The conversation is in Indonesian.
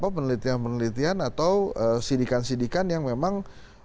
penelitian penelitian atau sidikan sidikan yang memang